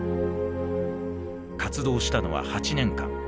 活動したのは８年間。